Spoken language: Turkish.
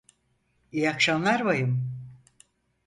İyi akşamlar bayım.